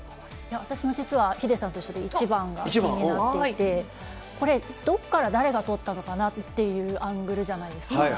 私も実はヒデさんと一緒で、１番が気になっていて、これどこから誰がとったのかなというアングルじゃないですか。